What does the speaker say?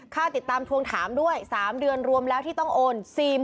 ค่าติดตามทวงถามด้วย๓เดือนรวมแล้วที่ต้องโอน